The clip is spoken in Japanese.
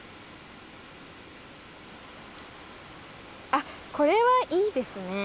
あっこれはいいですね。